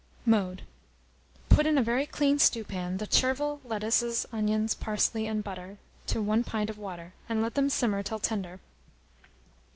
Mode. Put in a very clean stewpan the chervil, lettuces, onions, parsley, and butter, to 1 pint of water, and let them simmer till tender.